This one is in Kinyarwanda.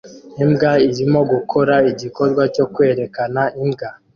Imbwa irimo gukora igikorwa cyo kwerekana imbwa